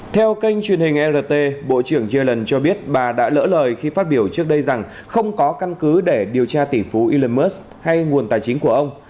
theo kênh truyền hình rt bộ trưởng yellen cho biết bà đã lỡ lời khi phát biểu trước đây rằng không có căn cứ để điều tra tỷ phú elon musk hay nguồn tài chính của ông